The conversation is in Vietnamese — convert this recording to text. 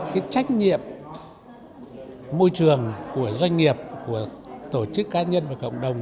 cái trách nhiệm môi trường của doanh nghiệp của tổ chức cá nhân và cộng đồng